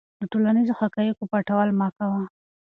د ټولنیزو حقایقو پټول مه کوه.